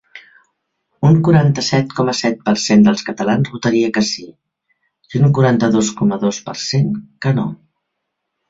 Un quaranta-set coma set per cent dels catalans votaria que sí, i un quaranta-dos coma dos per cent que no.